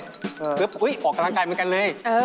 เหลือว่าอุ๊ยออกกำลังกายเหมือนกันเลย